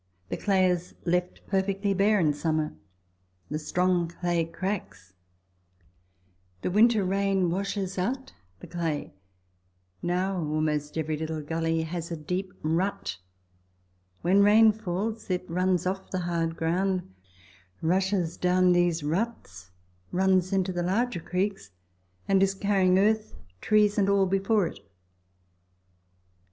The clay is left perfectly bare in summer. The strong clay cracks ; the Avinter rain washes out the clay; now mostly every little gully has a deep rut; when rain falls it runs off the hard ground, rushes down these ruts, runs into the larger creeks, and is carrying earth, trees, and all before it.